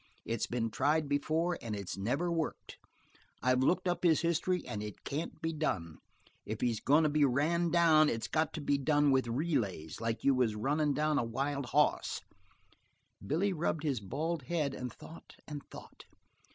It's been tried before and it's never worked. I've looked up his history and it can't be done. If he's goin' to be ran down it's got to be done with relays, like you was runnin' down a wild hoss." Billy rubbed his bald head and thought and thought.